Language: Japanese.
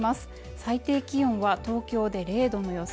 最低気温は東京で０度の予想